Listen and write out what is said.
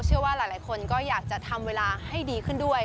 เชื่อว่าหลายคนก็อยากจะทำเวลาให้ดีขึ้นด้วย